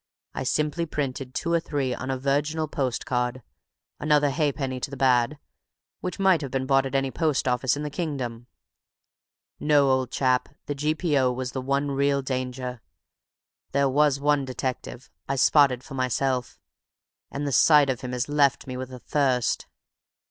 I simply printed two or three on a virginal post card—another half penny to the bad—which might have been bought at any post office in the kingdom. No, old chap, the G.P.O. was the one real danger; there was one detective I spotted for myself; and the sight of him has left me with a thirst.